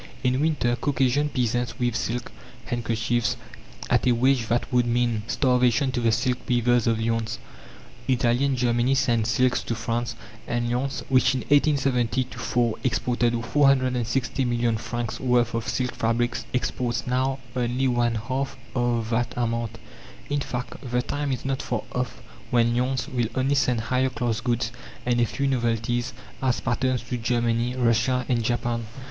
In winter, Caucasian peasants weave silk handkerchiefs at a wage that would mean starvation to the silk weavers of Lyons. Italy and Germany send silks to France; and Lyons, which in 1870 4 exported 460 million francs' worth of silk fabrics, exports now only one half of that amount. In fact, the time is not far off when Lyons will only send higher class goods and a few novelties as patterns to Germany, Russia and Japan.